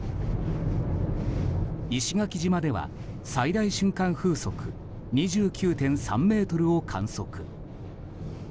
石垣島では、最大瞬間風速２９．３メートルを観測。